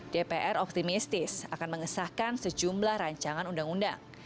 dpr optimistis akan mengesahkan sejumlah rancangan undang undang